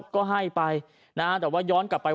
ก็ให้ไปนะฮะแต่ว่าย้อนกลับไป